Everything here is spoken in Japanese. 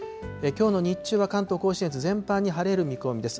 きょうの日中は、関東甲信越、全般に晴れる見込みです。